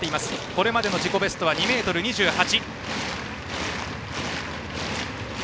これまでの自己ベストは２ｍ２８。